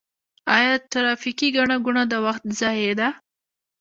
آیا ټرافیکي ګڼه ګوڼه د وخت ضایع ده؟